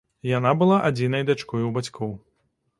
Яна была адзінай дачкой у бацькоў.